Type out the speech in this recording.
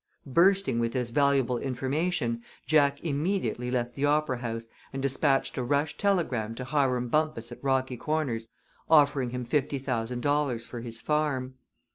Bursting with this valuable information, Jack immediately left the Opera House and dispatched a rush telegram to Hiram Bumpus at Rocky Corners offering him fifty thousand dollars for his farm.